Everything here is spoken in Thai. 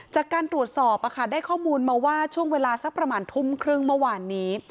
จากการตรวจสอบได้ข้อมูลมาว่าช่วงเวลาสักประมาณทุ่มครึ่งเมื่อวานนี้